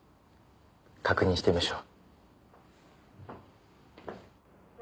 確認してみましょう。